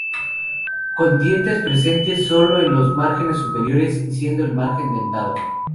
Con dientes presentes solo en los márgenes superiores, siendo el margen dentado.